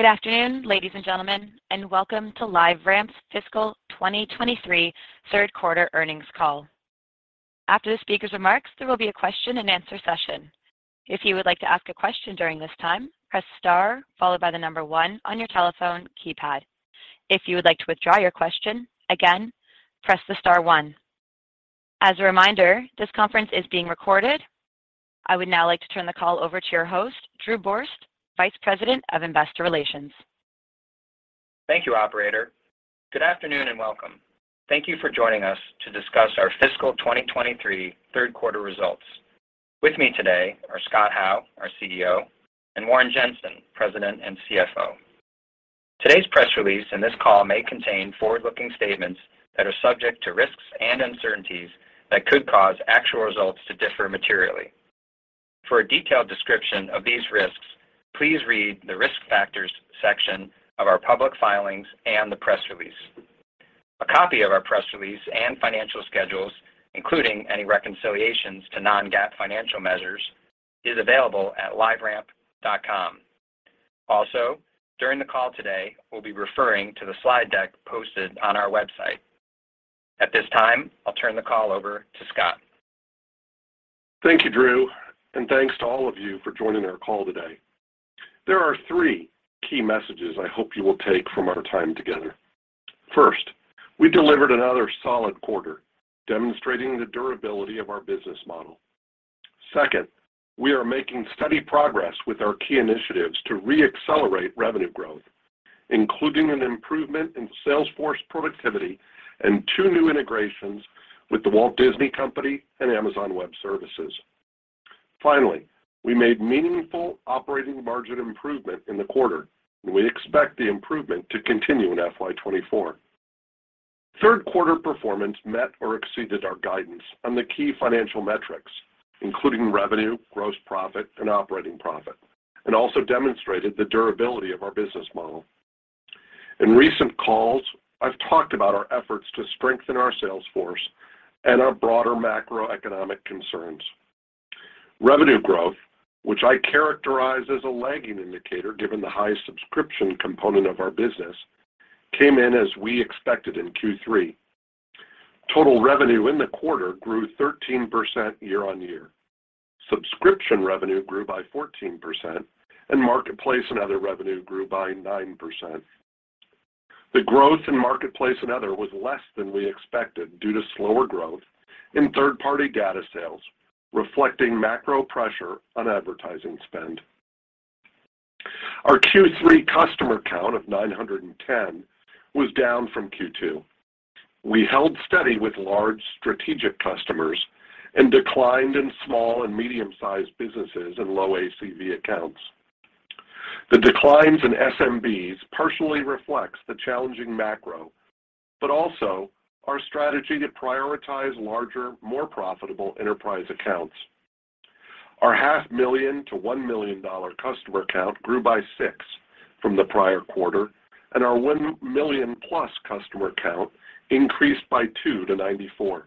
Good afternoon, ladies and gentlemen, and welcome to LiveRamp's Fiscal 2023 Third Quarter Earnings Call. After the speaker's remarks, there will be a question and answer session. If you would like to ask a question during this time, press star followed by one on your telephone keypad. If you would like to withdraw your question, again, press star one. As a reminder, this conference is being recorded. I would now like to turn the call over to your host, Drew Borst, Vice President of Investor Relations. Thank you, operator. Good afternoon, and welcome. Thank you for joining us to discuss our fiscal 2023 third quarter results. With me today are Scott Howe, our CEO, and Warren Jenson, President and CFO. Today's press release and this call may contain forward-looking statements that are subject to risks and uncertainties that could cause actual results to differ materially. For a detailed description of these risks, please read the Risk Factors section of our public filings and the press release. A copy of our press release and financial schedules, including any reconciliations to non-GAAP financial measures, is available at liveramp.com. Also, during the call today, we'll be referring to the slide deck posted on our website. At this time, I'll turn the call over to Scott. Thank you, Drew. Thanks to all of you for joining our call today. There are three key messages I hope you will take from our time together. First, we delivered another solid quarter, demonstrating the durability of our business model. Second, we are making steady progress with our key initiatives to re-accelerate revenue growth, including an improvement in sales force productivity and two new integrations with The Walt Disney Company and Amazon Web Services. We made meaningful operating margin improvement in the quarter, and we expect the improvement to continue in FY 2024. Third quarter performance met or exceeded our guidance on the key financial metrics, including revenue, gross profit, and operating profit, and also demonstrated the durability of our business model. In recent calls, I've talked about our efforts to strengthen our sales force and our broader macroeconomic concerns. Revenue growth, which I characterize as a lagging indicator, given the high subscription component of our business, came in as we expected in Q3. Total revenue in the quarter grew 13% year-over-year. Subscription revenue grew by 14%, and marketplace and other revenue grew by 9%. The growth in marketplace and other was less than we expected due to slower growth in third-party data sales, reflecting macro pressure on advertising spend. Our Q3 customer count of 910 was down from Q2. We held steady with large strategic customers and declined in small and medium-sized businesses and low ACV accounts. The declines in SMBs partially reflects the challenging macro, but also our strategy to prioritize larger, more profitable enterprise accounts. Our half million to one million dollar customer count grew by six from the prior quarter. Our 1 million+ customer count increased by two to 94.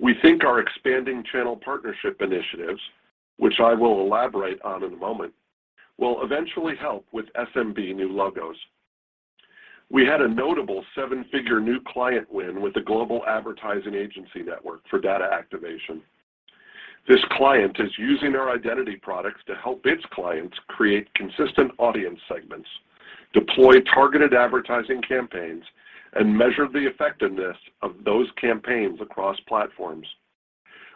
We think our expanding channel partnership initiatives, which I will elaborate on in a moment, will eventually help with SMB new logos. We had a notable seven-figure new client win with the Global Advertising Agency Network for data activation. This client is using our identity products to help its clients create consistent audience segments, deploy targeted advertising campaigns, and measure the effectiveness of those campaigns across platforms.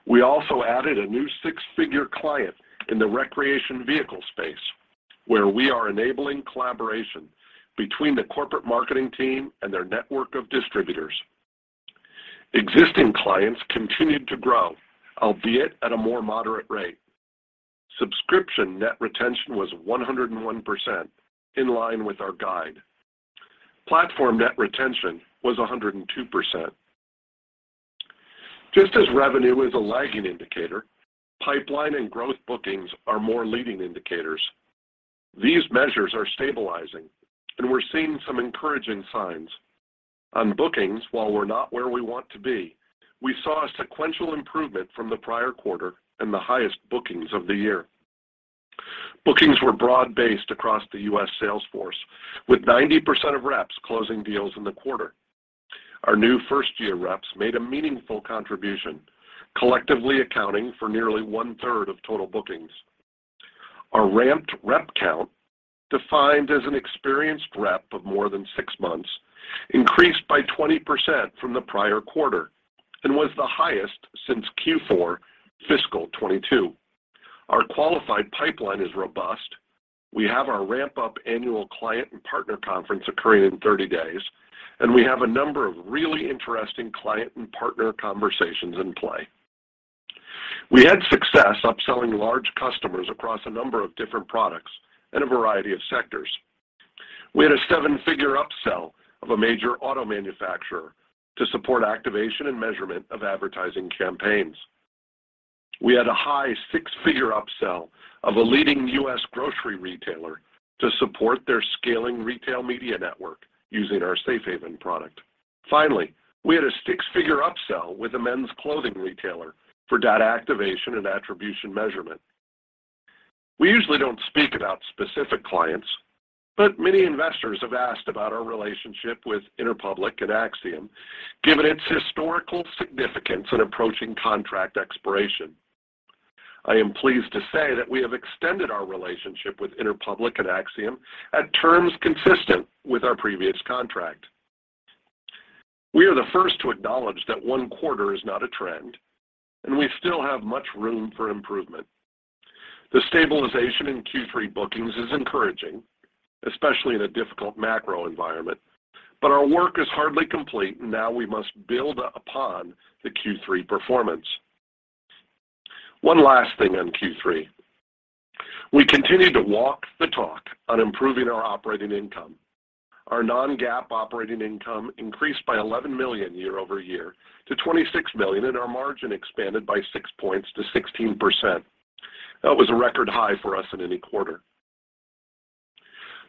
We also added a new six-figure client in the recreation vehicle space, where we are enabling collaboration between the corporate marketing team and their network of distributors. Existing clients continued to grow, albeit at a more moderate rate. Subscription net retention was 101% in line with our guide. Platform net retention was 102%. Just as revenue is a lagging indicator, pipeline and growth bookings are more leading indicators. These measures are stabilizing, and we're seeing some encouraging signs. On bookings, while we're not where we want to be, we saw a sequential improvement from the prior quarter and the highest bookings of the year. Bookings were broad-based across the U.S. sales force, with 90% of reps closing deals in the quarter. Our new first-year reps made a meaningful contribution, collectively accounting for nearly one-third of total bookings. Our ramped rep count, defined as an experienced rep of more than six months, increased by 20% from the prior quarter and was the highest since Q4 fiscal 2022. Our qualified pipeline is robust. We have our RampUp annual client and partner conference occurring in 30 days, and we have a number of really interesting client and partner conversations in play. We had success upselling large customers across a number of different products in a variety of sectors. We had a $7-figure upsell of a major auto manufacturer to support activation and measurement of advertising campaigns. We had a high $6-figure upsell of a leading U.S. grocery retailer to support their scaling retail media network using our Safe Haven product. Finally, we had a $6-figure upsell with a men's clothing retailer for data activation and attribution measurement. We usually don't speak about specific clients, but many investors have asked about our relationship with Interpublic and Acxiom, given its historical significance in approaching contract expiration. I am pleased to say that we have extended our relationship with Interpublic and Acxiom at terms consistent with our previous contract. We are the first to acknowledge that one quarter is not a trend, and we still have much room for improvement. The stabilization in Q3 bookings is encouraging, especially in a difficult macro environment, but our work is hardly complete, and now we must build upon the Q3 performance. One last thing on Q3. We continue to walk the talk on improving our operating income. Our non-GAAP operating income increased by $11 million year-over-year to $26 million, and our margin expanded by six points to 16%. That was a record high for us in any quarter.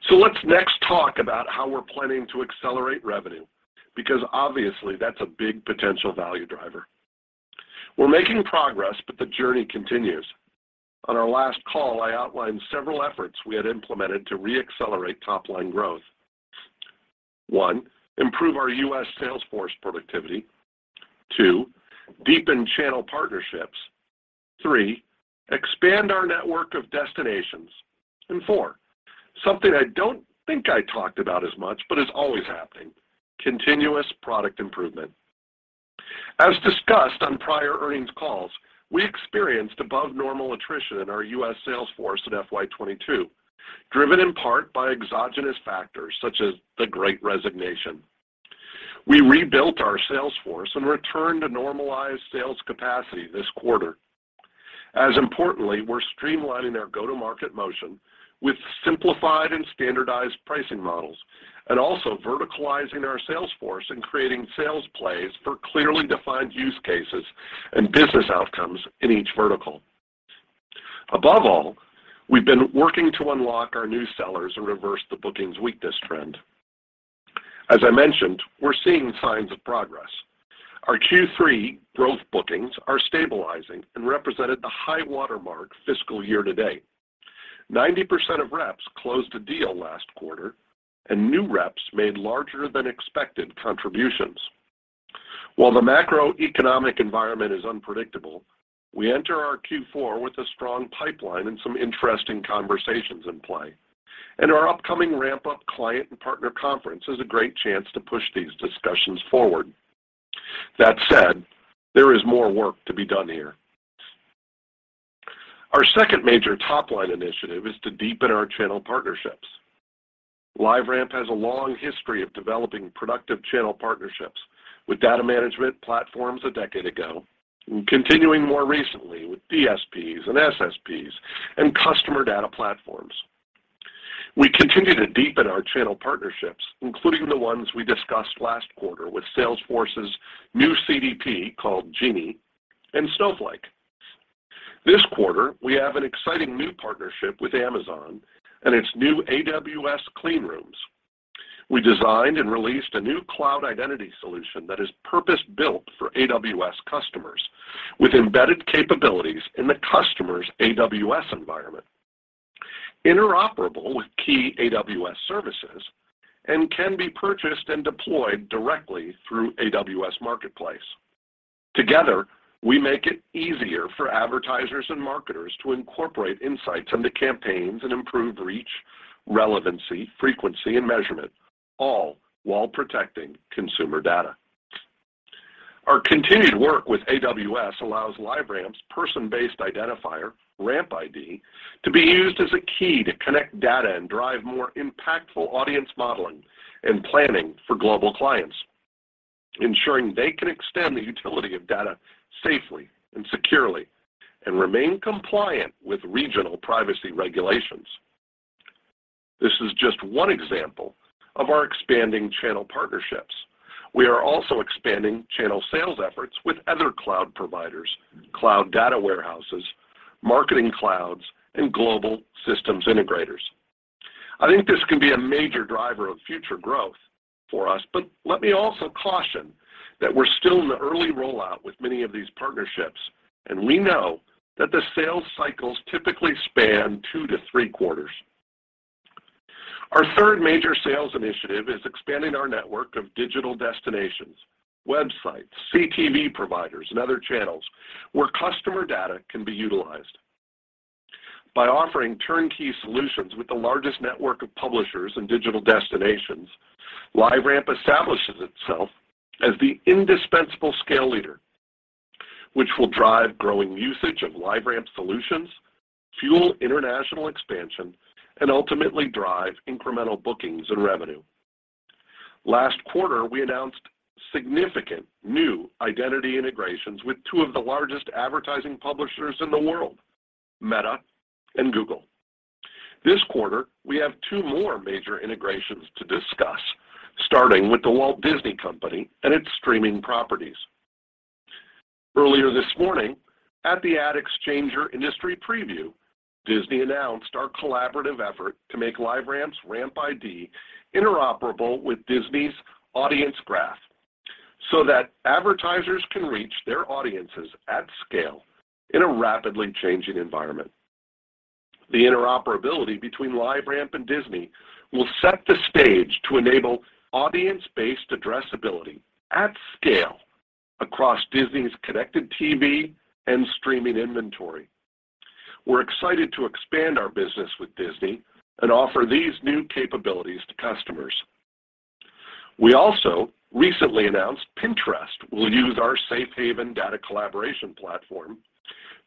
Let's next talk about how we're planning to accelerate revenue, because obviously that's a big potential value driver. We're making progress, but the journey continues. On our last call, I outlined several efforts we had implemented to re-accelerate top-line growth. One, improve our U.S. sales force productivity. Two, deepen channel partnerships. Three, expand our network of destinations. Four, something I don't think I talked about as much, but it's always happening, continuous product improvement. As discussed on prior earnings calls, we experienced above normal attrition in our U.S. sales force at FY 2022, driven in part by exogenous factors such as the great resignation. We rebuilt our sales force and returned to normalized sales capacity this quarter. As importantly, we're streamlining our go-to-market motion with simplified and standardized pricing models and also verticalizing our sales force and creating sales plays for clearly defined use cases and business outcomes in each vertical. Above all, we've been working to unlock our new sellers and reverse the bookings weakness trend. As I mentioned, we're seeing signs of progress. Our Q3 growth bookings are stabilizing and represented the high-water mark fiscal year to date. 90% of reps closed a deal last quarter, and new reps made larger than expected contributions. While the macroeconomic environment is unpredictable, we enter our Q4 with a strong pipeline and some interesting conversations in play. Our upcoming RampUp client and partner conference is a great chance to push these discussions forward. That said, there is more work to be done here. Our second major top-line initiative is to deepen our channel partnerships. LiveRamp has a long history of developing productive channel partnerships with data management platforms a decade ago, and continuing more recently with DSPs and SSPs and customer data platforms. We continue to deepen our channel partnerships, including the ones we discussed last quarter with Salesforce's new CDP called Genie and Snowflake. This quarter, we have an exciting new partnership with Amazon and its new AWS Clean Rooms. We designed and released a new cloud identity solution that is purpose-built for AWS customers with embedded capabilities in the customer's AWS environment. Interoperable with key AWS services and can be purchased and deployed directly through AWS Marketplace. Together, we make it easier for advertisers and marketers to incorporate insights into campaigns and improve reach, relevancy, frequency, and measurement, all while protecting consumer data. Our continued work with AWS allows LiveRamp's person-based identifier, RampID, to be used as a key to connect data and drive more impactful audience modeling and planning for global clients, ensuring they can extend the utility of data safely and securely and remain compliant with regional privacy regulations. This is just one example of our expanding channel partnerships. We are also expanding channel sales efforts with other cloud providers, cloud data warehouses, marketing clouds, and global systems integrators. I think this can be a major driver of future growth for us, but let me also caution that we're still in the early rollout with many of these partnerships. We know that the sales cycles typically span two to three quarters. Our third major sales initiative is expanding our network of digital destinations, websites, CTV providers, and other channels where customer data can be utilized. By offering turnkey solutions with the largest network of publishers and digital destinations, LiveRamp establishes itself as the indispensable scale leader, which will drive growing usage of LiveRamp solutions, fuel international expansion, and ultimately drive incremental bookings and revenue. Last quarter, we announced significant new identity integrations with two of the largest advertising publishers in the world, Meta and Google. This quarter, we have two more major integrations to discuss, starting with The Walt Disney Company and its streaming properties. Earlier this morning, at the AdExchanger's Industry Preview, Disney announced our collaborative effort to make LiveRamp's RampID interoperable with Disney's audience graph, so that advertisers can reach their audiences at scale in a rapidly changing environment. The interoperability between LiveRamp and Disney will set the stage to enable audience-based addressability at scale across Disney's connected CTV and streaming inventory. We're excited to expand our business with Disney and offer these new capabilities to customers. We also recently announced Pinterest will use our Safe Haven data collaboration platform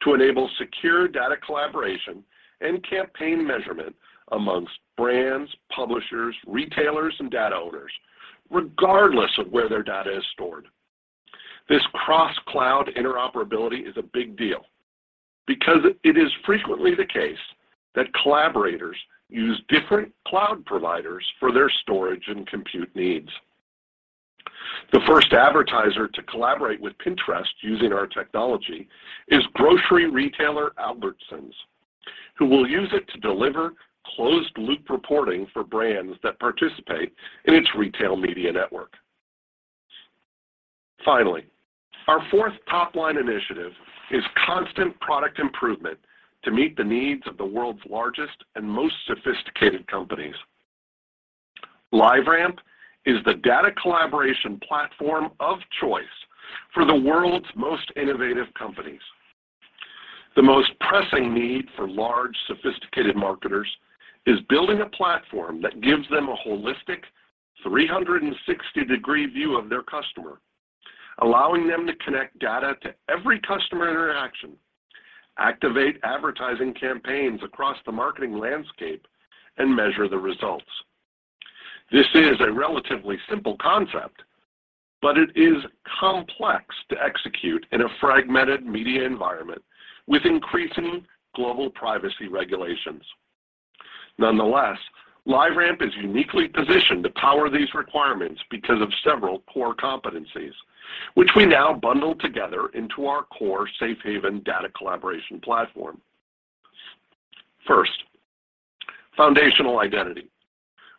to enable secure data collaboration and campaign measurement amongst brands, publishers, retailers, and data owners, regardless of where their data is stored. This cross-cloud interoperability is a big deal because it is frequently the case that collaborators use different cloud providers for their storage and compute needs. The first advertiser to collaborate with Pinterest using our technology is grocery retailer Albertsons, who will use it to deliver closed-loop reporting for brands that participate in its retail media network. Finally, our fourth top-line initiative is constant product improvement to meet the needs of the world's largest and most sophisticated companies. LiveRamp is the data collaboration platform of choice for the world's most innovative companies. The most pressing need for large, sophisticated marketers is building a platform that gives them a holistic 360-degree view of their customer, allowing them to connect data to every customer interaction, activate advertising campaigns across the marketing landscape, and measure the results. This is a relatively simple concept, but it is complex to execute in a fragmented media environment with increasing global privacy regulations. Nonetheless, LiveRamp is uniquely positioned to power these requirements because of several core competencies, which we now bundle together into our core Safe Haven data collaboration platform. First, foundational identity.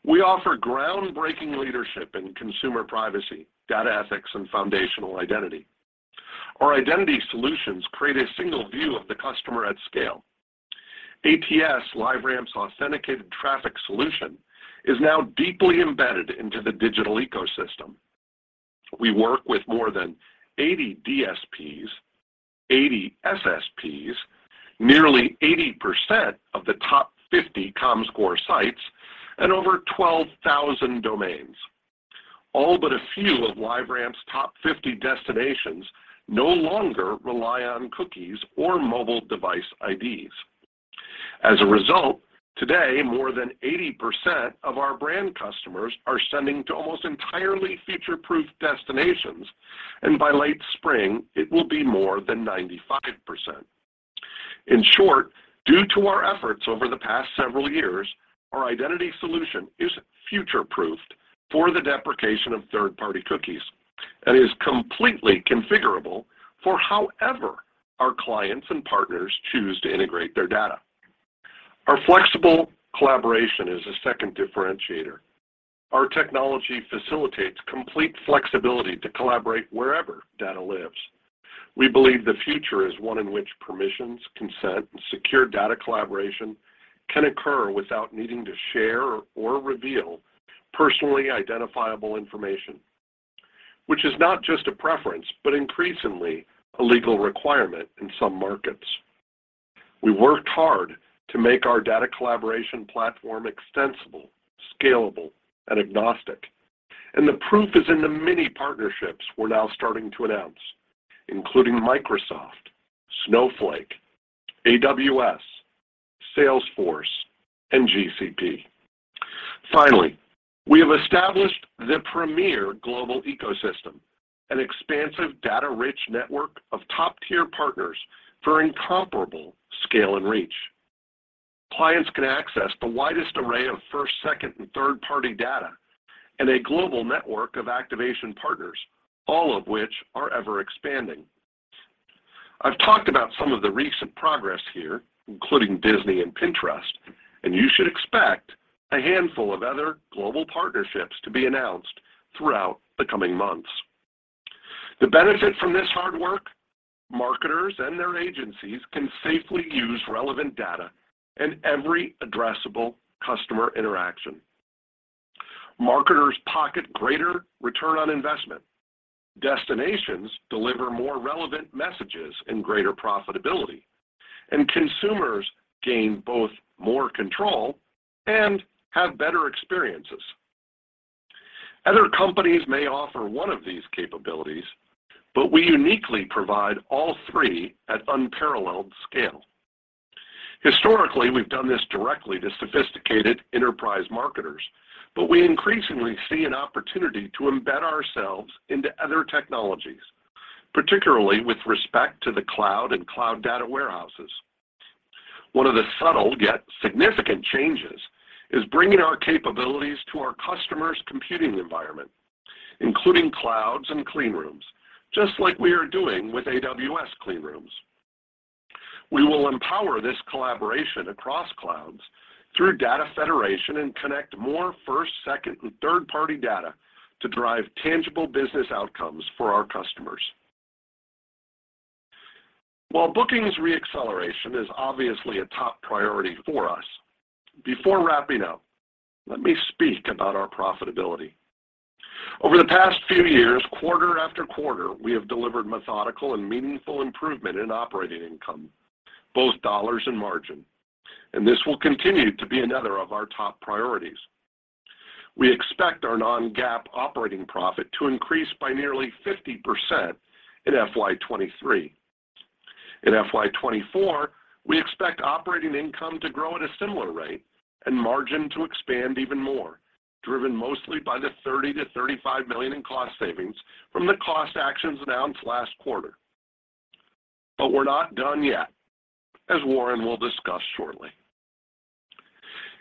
We offer ground-breaking leadership in consumer privacy, data ethics, and foundational identity. Our identity solutions create a single view of the customer at scale. ATS, LiveRamp's Authenticated Traffic Solution, is now deeply embedded into the digital ecosystem. We work with more than 80 DSPs, 80 SSPs, nearly 80% of the top 50 Comscore sites, and over 12,000 domains. All but a few of LiveRamp's top 50 destinations no longer rely on cookies or mobile device IDs. As a result, today, more than 80% of our brand customers are sending to almost entirely future-proofed destinations, and by late spring, it will be more than 95%. In short, due to our efforts over the past several years, our identity solution is future-proofed for the deprecation of third-party cookies and is completely configurable for however our clients and partners choose to integrate their data. Our flexible collaboration is the second differentiator. Our technology facilitates complete flexibility to collaborate wherever data lives. We believe the future is one in which permissions, consent, and secure data collaboration can occur without needing to share or reveal personally identifiable information, which is not just a preference, but increasingly a legal requirement in some markets. We worked hard to make our data collaboration platform extensible, scalable, and agnostic. The proof is in the many partnerships we're now starting to announce, including Microsoft, Snowflake, AWS, Salesforce, and GCP. Finally, we have established the premier global ecosystem, an expansive data-rich network of top-tier partners for incomparable scale and reach. Clients can access the widest array of first, second, and third-party data and a global network of activation partners, all of which are ever-expanding. I've talked about some of the recent progress here, including Disney and Pinterest. You should expect a handful of other global partnerships to be announced throughout the coming months. The benefit from this hard work, marketers and their agencies can safely use relevant data in every addressable customer interaction. Marketers pocket greater ROI. Destinations deliver more relevant messages and greater profitability. Consumers gain both more control and have better experiences. Other companies may offer one of these capabilities, but we uniquely provide all three at unparalleled scale. Historically, we've done this directly to sophisticated enterprise marketers, but we increasingly see an opportunity to embed ourselves into other technologies, particularly with respect to the cloud and cloud data warehouses. One of the subtle yet significant changes is bringing our capabilities to our customers' computing environment, including clouds and clean rooms, just like we are doing with AWS Clean Rooms. We will empower this collaboration across clouds through data federation and connect more first, second, and third-party data to drive tangible business outcomes for our customers. While bookings re-acceleration is obviously a top priority for us, before wrapping up, let me speak about our profitability. Over the past few years, quarter after quarter, we have delivered methodical and meaningful improvement in operating income, both dollars and margin, and this will continue to be another of our top priorities. We expect our non-GAAP operating profit to increase by nearly 50% in FY 2023. In FY 2024, we expect operating income to grow at a similar rate and margin to expand even more, driven mostly by the $30 million-$35 million in cost savings from the cost actions announced last quarter. We're not done yet, as Warren will discuss shortly.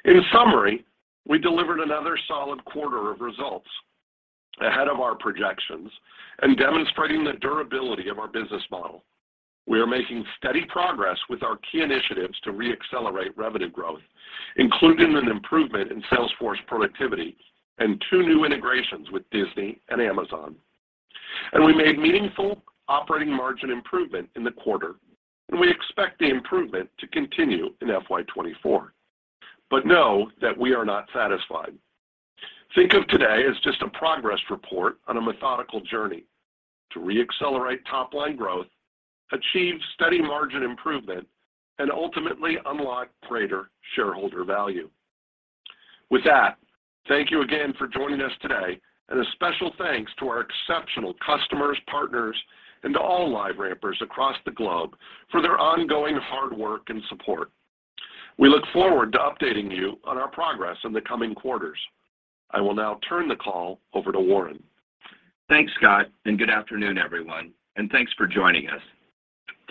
In summary, we delivered another solid quarter of results ahead of our projections and demonstrating the durability of our business model. We are making steady progress with our key initiatives to re-accelerate revenue growth, including an improvement in Salesforce productivity and two new integrations with Disney and Amazon. We made meaningful operating margin improvement in the quarter, and we expect the improvement to continue in FY 2024. Know that we are not satisfied. Think of today as just a progress report on a methodical journey to re-accelerate top-line growth, achieve steady margin improvement, and ultimately unlock greater shareholder value. With that, thank you again for joining us today, and a special thanks to our exceptional customers, partners, and to all LiveRampers across the globe for their ongoing hard work and support. We look forward to updating you on our progress in the coming quarters. I will now turn the call over to Warren. Thanks, Scott. Good afternoon, everyone, and thanks for joining us.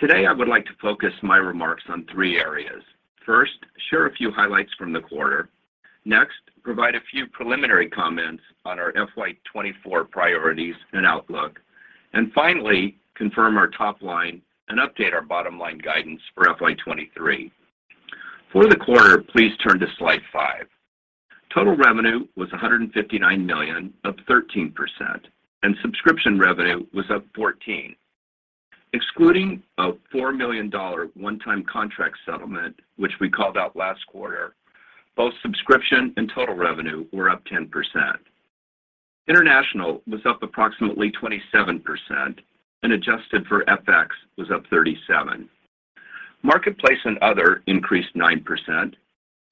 Today, I would like to focus my remarks on three areas. First, share a few highlights from the quarter. Next, provide a few preliminary comments on our FY 2024 priorities and outlook. Finally, confirm our top line and update our bottom line guidance for FY 2023. For the quarter, please turn to slide five. Total revenue was $159 million, up 13%, and subscription revenue was up 14%. Excluding a $4 million one-time contract settlement, which we called out last quarter, both subscription and total revenue were up 10%. International was up approximately 27% and adjusted for FX was up 37%. Marketplace and other increased 9%.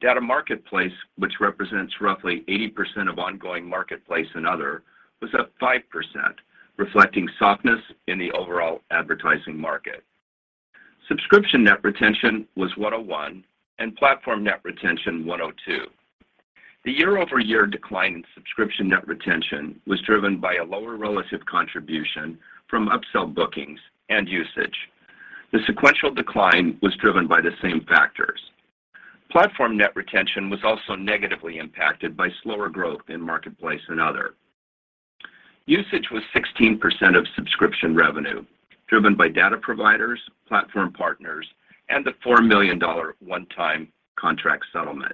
Data Marketplace, which represents roughly 80% of ongoing marketplace and other, was up 5%, reflecting softness in the overall advertising market. Subscription net retention was 101, and platform net retention 102. The year-over-year decline in subscription net retention was driven by a lower relative contribution from upsell bookings and usage. The sequential decline was driven by the same factors. Platform net retention was also negatively impacted by slower growth in marketplace and other. Usage was 16% of subscription revenue, driven by data providers, platform partners, and the $4 million one-time contract settlement.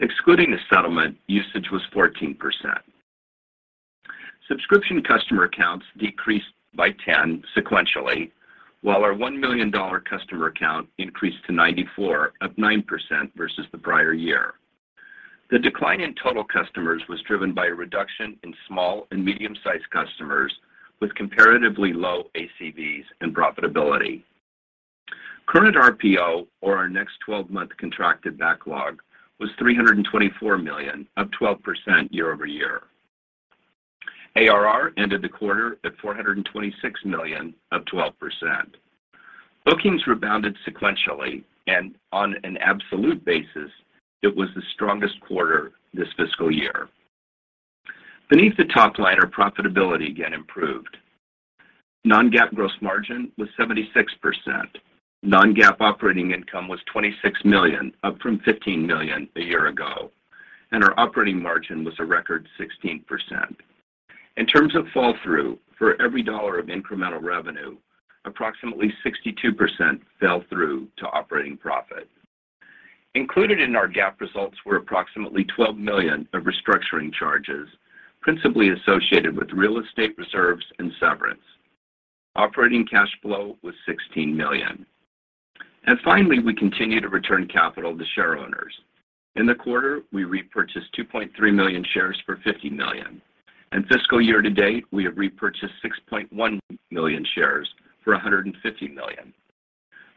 Excluding the settlement, usage was 14%. Subscription customer accounts decreased by 10 sequentially, while our $1 million customer account increased to 94, up 9% versus the prior year. The decline in total customers was driven by a reduction in small and medium-sized customers with comparatively low ACVs and profitability. Current RPO, or our next 12-month contracted backlog, was $324 million, up 12% year-over-year. ARR ended the quarter at $426 million, up 12%. Bookings rebounded sequentially, on an absolute basis, it was the strongest quarter this fiscal year. Beneath the top line, our profitability again improved. Non-GAAP gross margin was 76%. Non-GAAP operating income was $26 million, up from $15 million a year ago. Our operating margin was a record 16%. In terms of fall-through, for every $1 of incremental revenue, approximately 62% fell through to operating profit. Included in our GAAP results were approximately $12 million of restructuring charges, principally associated with real estate reserves and severance. Operating cash flow was $16 million. Finally, we continue to return capital to shareowners. In the quarter, we repurchased 2.3 million shares for $50 million. In fiscal year to date, we have repurchased 6.1 million shares for $150 million.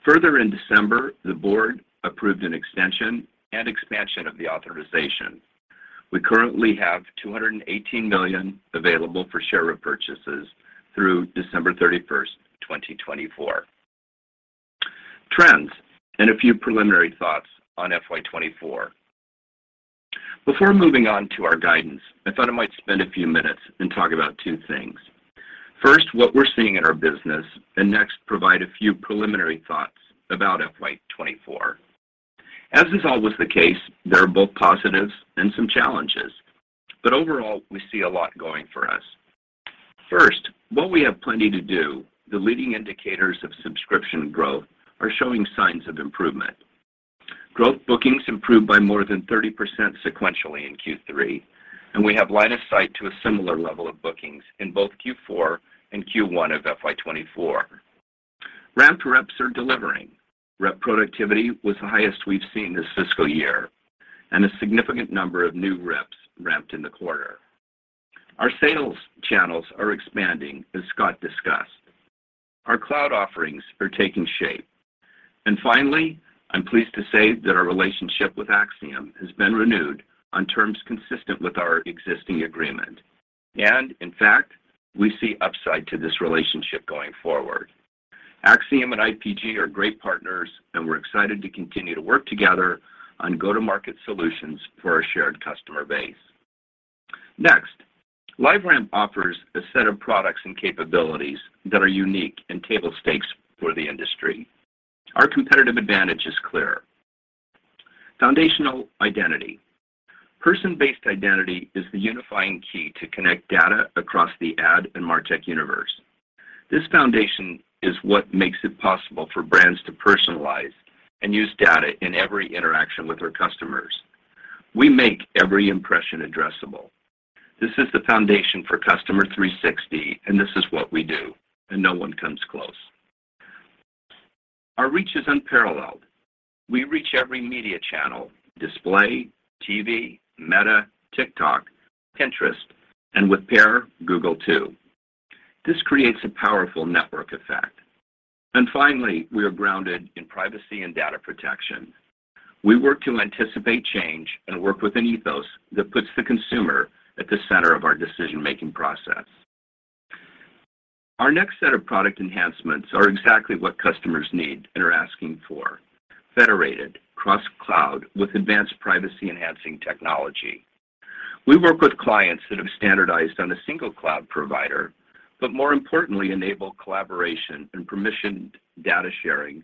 In December, the board approved an extension and expansion of the authorization. We currently have $218 million available for share repurchases through December 31st, 2024. Trends, a few preliminary thoughts on FY 2024. Before moving on to our guidance, I thought I might spend a few minutes and talk about two things. First, what we're seeing in our business, and next, provide a few preliminary thoughts about FY 2024. As is always the case, there are both positives and some challenges. Overall, we see a lot going for us. First, while we have plenty to do, the leading indicators of subscription growth are showing signs of improvement. Growth bookings improved by more than 30% sequentially in Q3, and we have line of sight to a similar level of bookings in both Q4 and Q1 of FY 2024. Ramp reps are delivering. Rep productivity was the highest we've seen this fiscal year, and a significant number of new reps ramped in the quarter. Our sales channels are expanding as Scott discussed. Our cloud offerings are taking shape. Finally, I'm pleased to say that our relationship with Acxiom has been renewed on terms consistent with our existing agreement. In fact, we see upside to this relationship going forward. Acxiom and IPG are great partners, and we're excited to continue to work together on go-to-market solutions for our shared customer base. Next, LiveRamp offers a set of products and capabilities that are unique and table stakes for the industry. Our competitive advantage is clear. Foundational identity. Person-based identity is the unifying key to connect data across the ad and MarTech universe. This foundation is what makes it possible for brands to personalize and use data in every interaction with their customers. We make every impression addressable. This is the foundation for Customer 360. This is what we do. No one comes close. Our reach is unparalleled. We reach every media channel: display, TV, Meta, TikTok, Pinterest. With PAIR, Google too. This creates a powerful network effect. Finally, we are grounded in privacy and data protection. We work to anticipate change and work with an ethos that puts the consumer at the center of our decision-making process. Our next set of product enhancements are exactly what customers need and are asking for. Federated, cross-cloud with advanced privacy-enhancing technology. We work with clients that have standardized on a single cloud provider. More importantly, enable collaboration and permission data sharing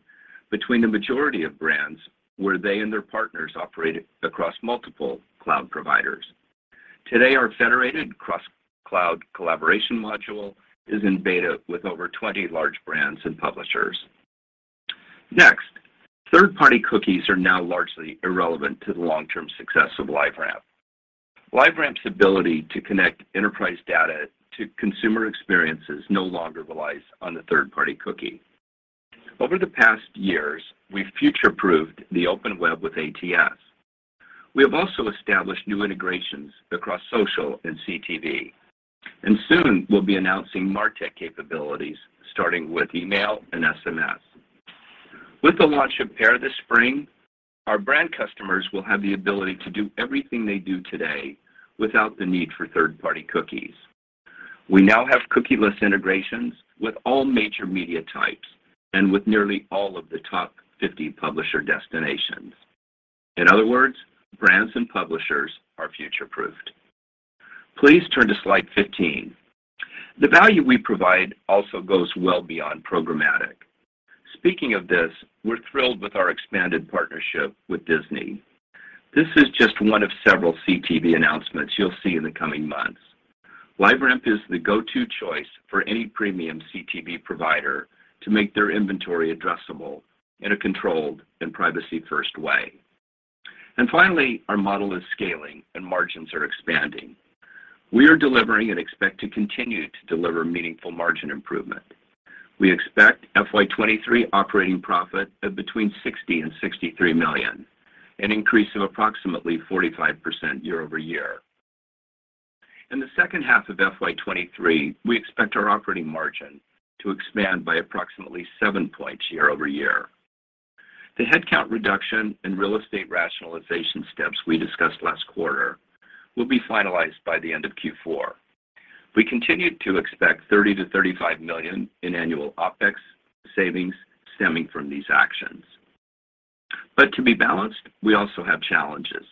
between the majority of brands where they and their partners operate across multiple cloud providers. Today, our federated cross-cloud collaboration module is in beta with over 20 large brands and publishers. Next, third-party cookies are now largely irrelevant to the long-term success of LiveRamp. LiveRamp's ability to connect enterprise data to consumer experiences no longer relies on the third-party cookie. Over the past years, we've future-proofed the open web with ATS. We have also established new integrations across social and CTV, and soon we'll be announcing MarTech capabilities, starting with email and SMS. With the launch of PAIR this spring, our brand customers will have the ability to do everything they do today without the need for third-party cookies. We now have cookieless integrations with all major media types and with nearly all of the top 50 publisher destinations. In other words, brands and publishers are future-proofed. Please turn to slide 15. The value we provide also goes well beyond programmatic. Speaking of this, we're thrilled with our expanded partnership with Disney. This is just one of several CTV announcements you'll see in the coming months. LiveRamp is the go-to choice for any premium CTV provider to make their inventory addressable in a controlled and privacy-first way. Finally, our model is scaling and margins are expanding. We are delivering and expect to continue to deliver meaningful margin improvement. We expect FY 2023 operating profit of between $60 million and $63 million, an increase of approximately 45% year-over-year. In the second half of FY 2023, we expect our operating margin to expand by approximately seven points year-over-year. The headcount reduction in real estate rationalization steps we discussed last quarter will be finalized by the end of Q4. We continue to expect $30 million-$35 million in annual OpEx savings stemming from these actions. To be balanced, we also have challenges.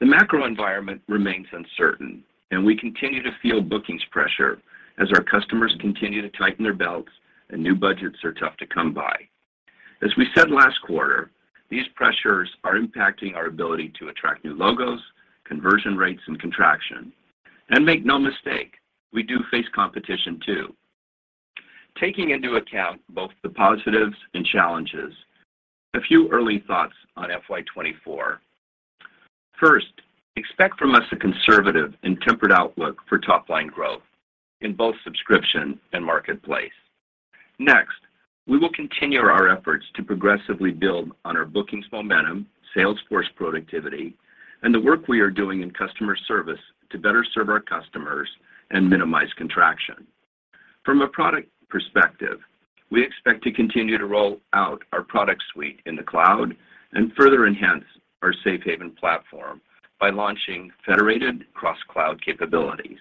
The macro environment remains uncertain, and we continue to feel bookings pressure as our customers continue to tighten their belts and new budgets are tough to come by. As we said last quarter, these pressures are impacting our ability to attract new logos, conversion rates, and contraction. Make no mistake, we do face competition too. Taking into account both the positives and challenges, a few early thoughts on FY 2024. First, expect from us a conservative and tempered outlook for top line growth in both subscription and marketplace. Next, we will continue our efforts to progressively build on our bookings momentum, sales force productivity, and the work we are doing in customer service to better serve our customers and minimize contraction. From a product perspective, we expect to continue to roll out our product suite in the cloud and further enhance our Safe Haven platform by launching federated cross-cloud capabilities.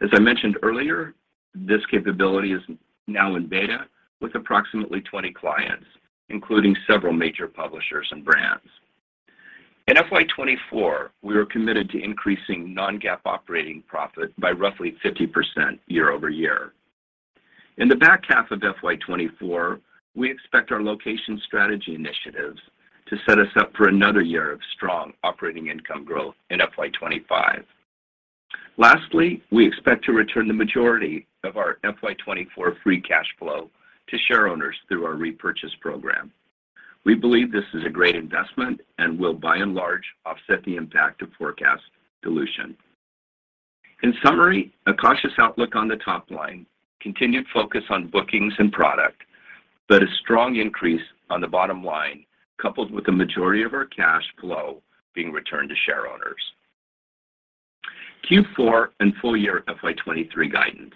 As I mentioned earlier, this capability is now in beta with approximately 20 clients, including several major publishers and brands. In FY 2024, we are committed to increasing non-GAAP operating profit by roughly 50% year-over-year. In the back half of FY 2024, we expect our location strategy initiatives to set us up for another year of strong operating income growth in FY 2025. Lastly, we expect to return the majority of our FY 2024 free cash flow to share owners through our repurchase program. We believe this is a great investment and will by and large offset the impact of forecast dilution. In summary, a cautious outlook on the top line, continued focus on bookings and product, but a strong increase on the bottom line, coupled with the majority of our cash flow being returned to share owners. Q4 and full year FY 2023 guidance.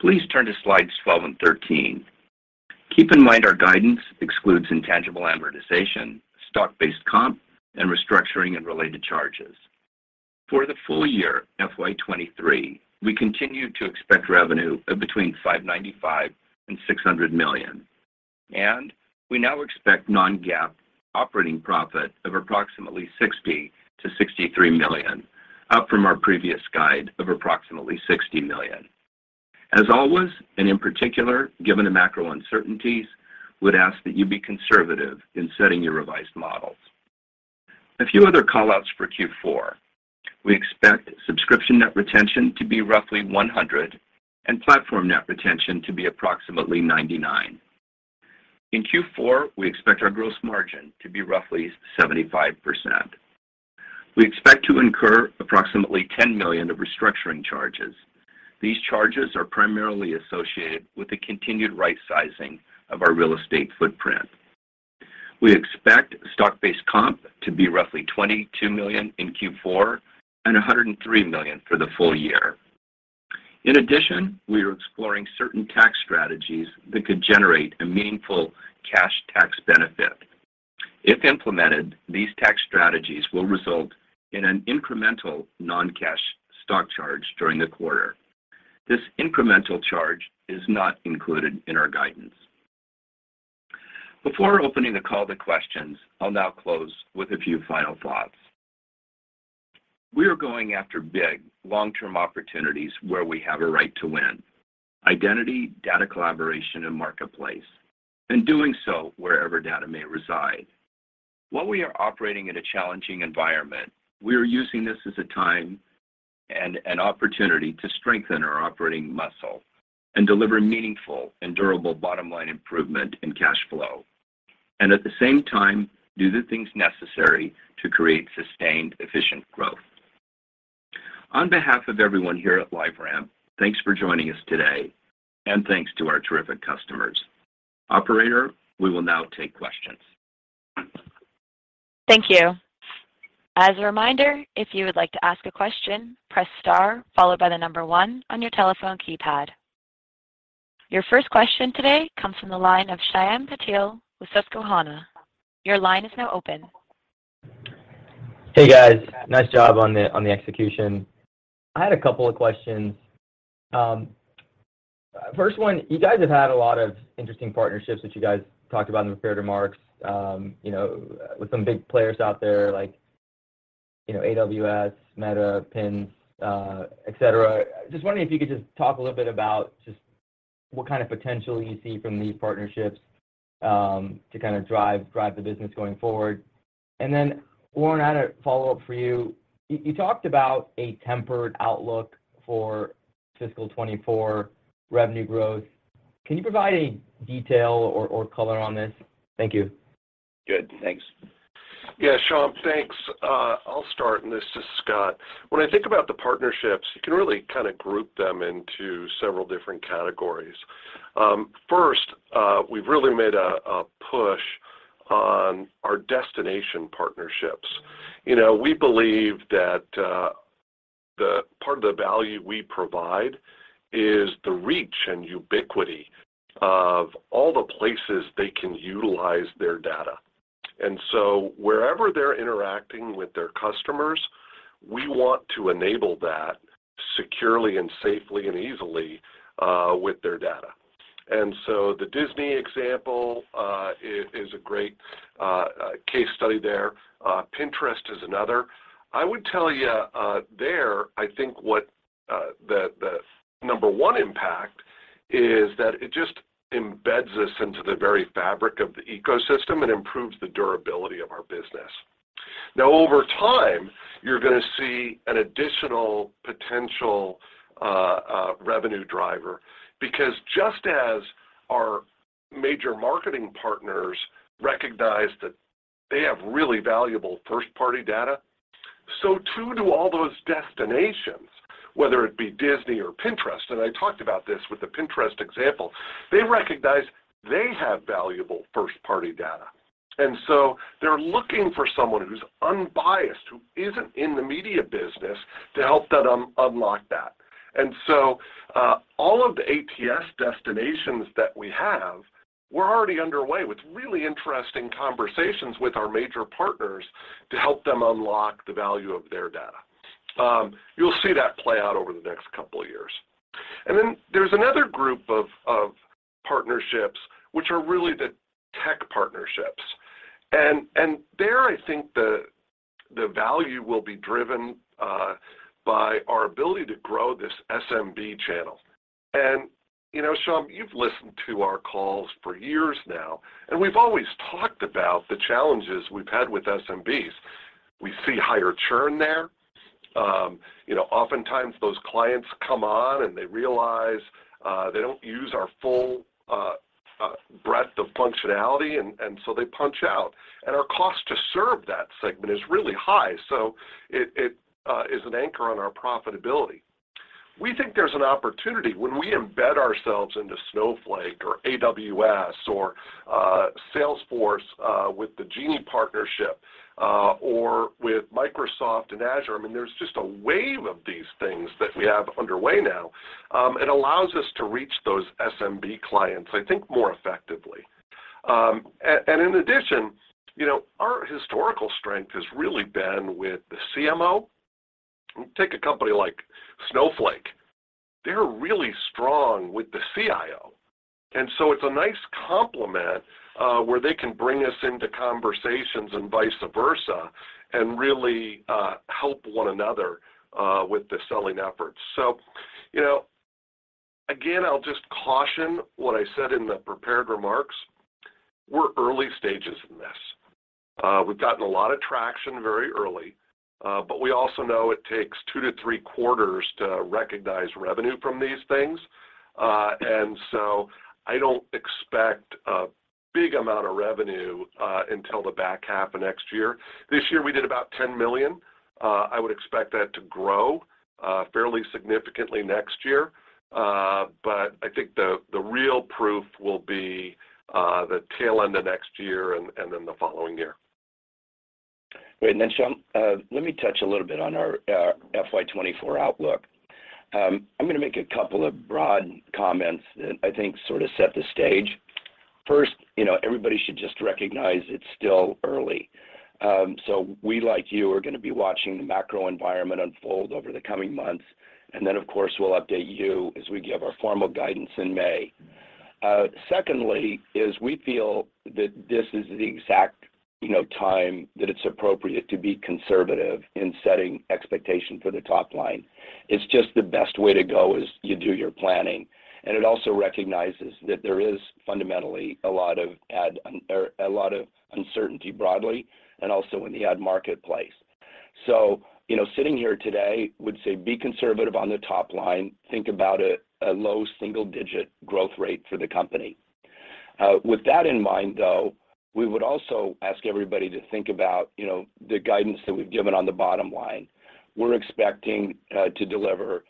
Please turn to slides 12 and 13. Keep in mind our guidance excludes intangible amortization, stock-based comp, and restructuring and related charges. For the full year FY 2023, we continue to expect revenue of between $595 million and $600 million, and we now expect non-GAAP operating profit of approximately $60 million-$63 million, up from our previous guide of approximately $60 million. As always, and in particular, given the macro uncertainties, would ask that you be conservative in setting your revised models. A few other call-outs for Q4. We expect subscription net retention to be roughly 100% and platform net retention to be approximately 99%. In Q4, we expect our gross margin to be roughly 75%. We expect to incur approximately $10 million of restructuring charges. These charges are primarily associated with the continued right sizing of our real estate footprint. We expect stock-based comp to be roughly $22 million in Q4 and $103 million for the full year. We are exploring certain tax strategies that could generate a meaningful cash tax benefit. If implemented, these tax strategies will result in an incremental non-cash stock charge during the quarter. This incremental charge is not included in our guidance. Before opening the call to questions, I'll now close with a few final thoughts. We are going after big long-term opportunities where we have a right to win, identity, data collaboration, and marketplace, and doing so wherever data may reside. While we are operating in a challenging environment, we are using this as a time and an opportunity to strengthen our operating muscle and deliver meaningful and durable bottom line improvement in cash flow, and at the same time, do the things necessary to create sustained efficient growth. On behalf of everyone here at LiveRamp, thanks for joining us today and thanks to our terrific customers. Operator, we will now take questions. Thank you. As a reminder, if you would like to ask a question, press star followed by one on your telephone keypad. Your first question today comes from the line of Shyam Patil with Susquehanna. Your line is now open. Hey, guys. Nice job on the, on the execution. I had a couple of questions. First one, you guys have had a lot of interesting partnerships that you guys talked about in the prepared remarks, you know, with some big players out there like, you know, AWS, Meta, Pin, et cetera. Just wondering if you could just talk a little bit about just what kind of potential you see from these partnerships to kind drive the business going forward. Warren, I had a follow-up for you. You talked about a tempered outlook for fiscal 24 revenue growth. Can you provide any detail or color on this? Thank you. Good. Thanks. Yeah, Shyam, thanks. I'll start. This is Scott. When I think about the partnerships, you can really kinda group them into several different categories. First, we've really made a push on our destination partnerships. You know, we believe that the part of the value we provide is the reach and ubiquity of all the places they can utilize their data. Wherever they're interacting with their customers, we want to enable that securely and safely and easily with their data. The Disney example is a great case study there. Pinterest is another. I would tell you, there, I think what the number one impact is that it just embeds us into the very fabric of the ecosystem and improves the durability of our business. Over time, you're gonna see an additional potential revenue driver, because just as our major marketing partners recognize that they have really valuable first-party data, so too do all those destinations, whether it be Disney or Pinterest, and I talked about this with the Pinterest example, they recognize they have valuable first-party data. They're looking for someone who's unbiased, who isn't in the media business to help them unlock that. All of the ATS destinations that we have, we're already underway with really interesting conversations with our major partners to help them unlock the value of their data. You'll see that play out over the next couple of years. There's another group of partnerships which are really the tech partnerships. There I think the value will be driven by our ability to grow this SMB channel. You know, Shyam, you've listened to our calls for years now, and we've always talked about the challenges we've had with SMBs. We see higher churn there. You know, oftentimes those clients come on, and they realize they don't use our full breadth of functionality and so they punch out, and our cost to serve that segment is really high. It is an anchor on our profitability. We think there's an opportunity when we embed ourselves into Snowflake or AWS or Salesforce with the Genie partnership or with Microsoft and Azure, I mean, there's just a wave of these things that we have underway now, it allows us to reach those SMB clients, I think more effectively. In addition, you know, our historical strength has really been with the CMO. Take a company like Snowflake, they're really strong with the CIO, it's a nice complement where they can bring us into conversations and vice versa and really help one another with the selling efforts. You know, again, I'll just caution what I said in the prepared remarks, we're early stages in this. We've gotten a lot of traction very early, we also know it takes two to three quarters to recognize revenue from these things. I don't expect a big amount of revenue until the back half of next year. This year we did about $10 million. I would expect that to grow fairly significantly next year. I think the real proof will be the tail end of next year and then the following year. Great. Shyam, let me touch a little bit on our FY 2024 outlook. I'm gonna make a couple of broad comments that I think sort of set the stage. First, you know, everybody should just recognize it's still early. We, like you, are gonna be watching the macro environment unfold over the coming months, and then of course, we'll update you as we give our formal guidance in May. Secondly is we feel that this is the exact, you know, time that it's appropriate to be conservative in setting expectations for the top line. It's just the best way to go as you do your planning. It recognizes that there is fundamentally a lot of uncertainty broadly and also in the ad marketplace. You know, sitting here today would say be conservative on the top line, think about a low single-digit growth rate for the company. With that in mind though, we would also ask everybody to think about, you know, the guidance that we've given on the bottom line. We're expecting to deliver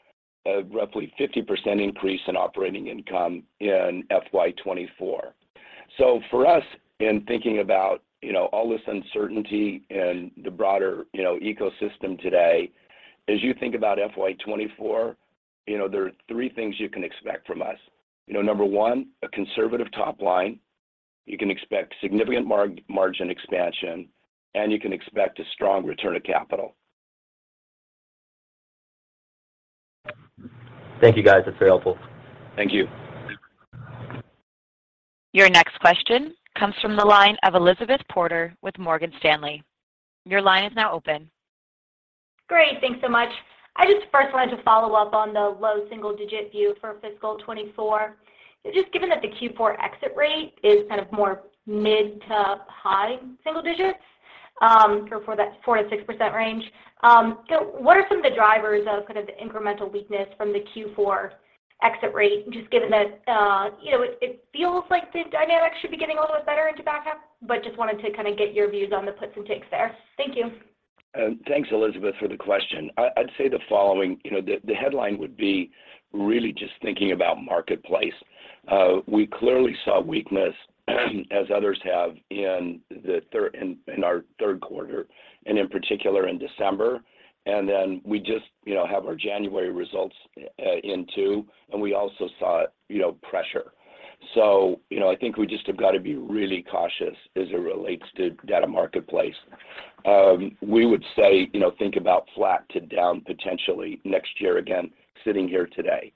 a roughly 50% increase in operating income in FY 2024. For us, in thinking about, you know, all this uncertainty and the broader, you know, ecosystem today, as you think about FY 2024, you know, there are three things you can expect from us. Number one, a conservative top line. You can expect significant margin expansion, and you can expect a strong return of capital. Thank you, guys. That's very helpful. Thank you. Your next question comes from the line of Elizabeth Porter with Morgan Stanley. Your line is now open. Great. Thanks so much. I just first wanted to follow up on the low single digit view for fiscal 2024. Just given that the Q4 exit rate is kind of more mid to high single digits for that 4%-6% range. What are some of the drivers of kind of the incremental weakness from the Q4 exit rate, just given that, you know, it feels like the dynamics should be getting a little bit better into back half, but just wanted to kind of get your views on the puts and takes there. Thank you. Thanks, Elizabeth, for the question. I'd say the following. You know, the headline would be really just thinking about marketplace. We clearly saw weakness as others have in our third quarter and in particular in December. We just, you know, have our January results in too, and we also saw, you know, pressure. You know, I think we just have got to be really cautious as it relates to data marketplace. We would say, you know, think about flat to down potentially next year, again, sitting here today.